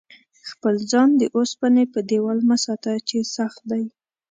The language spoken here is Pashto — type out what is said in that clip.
خپل ځان د اوسپنې په دېوال مه ساته چې سخت دی.